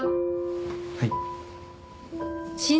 はい。